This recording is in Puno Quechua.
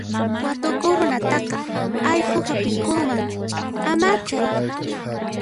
Watukuq runatataq allqu hap'irqunman, amachay.